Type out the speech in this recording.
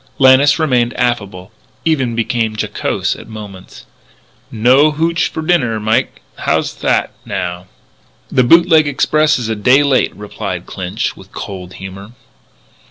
Lannis remained affable, even became jocose at moments: "No hootch for dinner, Mike? How's that, now?" "The Boot leg Express is a day late," replied Clinch, with cold humour.